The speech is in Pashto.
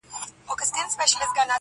o سخت به مي تر دې هم زنکدن نه وي ,